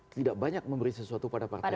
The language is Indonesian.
tidak banyak memberi sesuatu pada partai